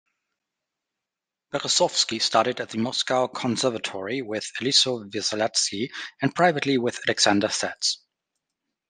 Berezovsky studied at the Moscow Conservatory with Eliso Virsaladze and privately with Alexander Satz.